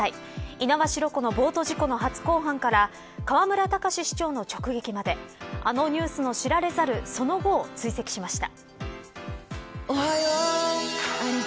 猪苗代湖のボート事故の初公判から河村たかし市長の直撃まであのニュースの知られざるその後を追跡しました。